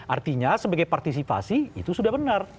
artinya sebagai partisipasi itu sudah benar